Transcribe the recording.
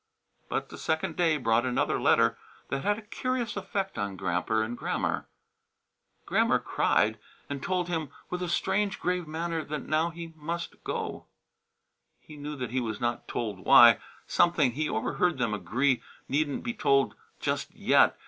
But the second day brought another letter that had a curious effect on Gramper and Grammer. Grammer cried, and Gramper told him with a strange, grave manner that now he must go. He knew that he was not told why; something, he overheard them agree, needn't be told "just yet."